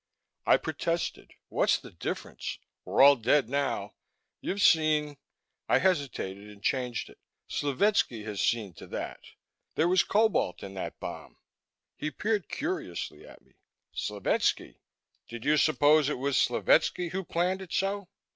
I protested, "What's the difference? We're all dead, now. You've seen " I hesitated and changed it. "Slovetski has seen to that. There was cobalt in that bomb." He peered curiously at me. "Slovetski? Did you suppose it was Slovetski who planned it so?"